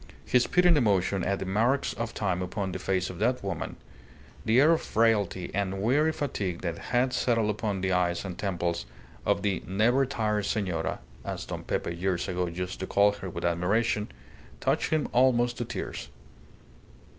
His pitying emotion at the marks of time upon the face of that woman, the air of frailty and weary fatigue that had settled upon the eyes and temples of the "Never tired Senora" (as Don Pepe years ago used to call her with admiration), touched him almost to tears.